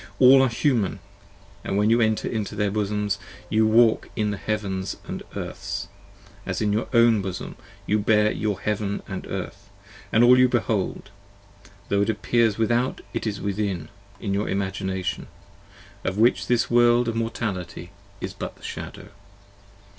All are Human, & when you enter into their Bosoms you walk In Heavens & Earths; as in your own Bosom you bear your Heaven And Earth, & all you behold: tho' it appears Without it is Within In your Imagination, of which this World of Mortality is but a Shadow.